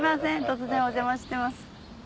突然お邪魔してます。